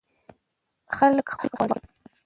خلک خپل حق غواړي.